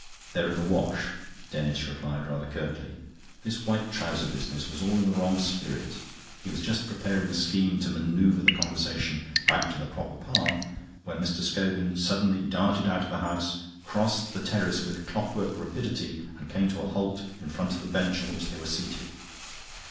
"They're at the wash," Denis replied rather curtly. This white trouser business was all in the wrong spirit. He was just preparing a scheme to manoeuvre the conversation back to the proper path, when Mr. Scogan suddenly darted out of the house, crossed the terrace with clockwork rapidity, and came to a halt in front of the bench on which they were seated.